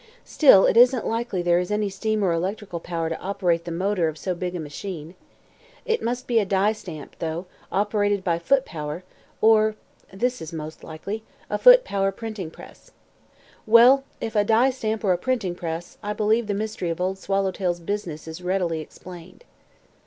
Still, it isn't likely there is any steam or electrical power to operate the motor of so big a machine. It might be a die stamp, though, operated by foot power, or this is most likely a foot power printing press. Well, if a die stamp or a printing press, I believe the mystery of Old Swallowtail's 'business' is readily explained."